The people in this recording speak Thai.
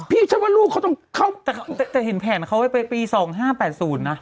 ฉันว่าลูกเขาต้องเข้าจะเห็นแผนเขาไว้ไปปี๒๕๘๐นะ